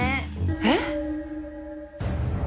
えっ！？